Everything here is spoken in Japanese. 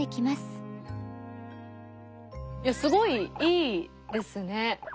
いやすごいいいですね。